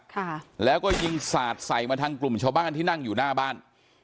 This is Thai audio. ค่ะแล้วก็ยิงสาดใส่มาทางกลุ่มชาวบ้านที่นั่งอยู่หน้าบ้าน